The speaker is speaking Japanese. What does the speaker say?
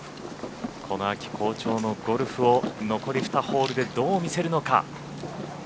この秋好調のゴルフを残り２ホールでどう見せるのか。